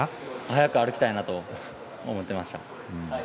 早く歩きたいなと思ってました。